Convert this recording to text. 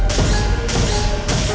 tidak punya cantik lebih